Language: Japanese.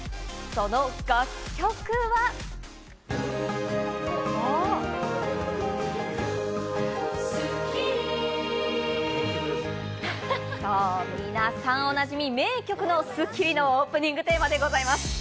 そう、皆さんおなじみ、名曲の『スッキリ』のオープニングテーマでございます。